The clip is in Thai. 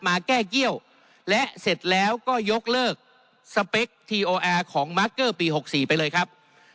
มาแก้เกี้ยวและเสร็จแล้วก็ยกเลิกสเปคทีโอแอร์ของมาร์เกอร์ปี๖๔ไปเลยครับ